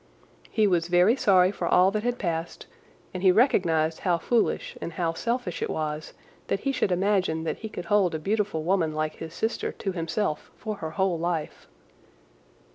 He was very sorry for all that had passed, and he recognized how foolish and how selfish it was that he should imagine that he could hold a beautiful woman like his sister to himself for her whole life.